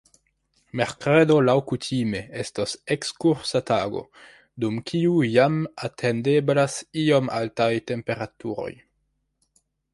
Merkredo laŭkutime estos ekskursa tago, dum kiu jam atendeblas iom altaj temperaturoj.